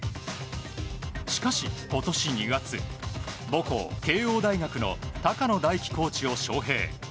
しかし今年２月母校・慶應大学の高野大樹コーチを招聘。